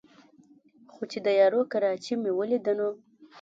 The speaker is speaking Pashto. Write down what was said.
خو چې د یارو کراچۍ مې ولېده نو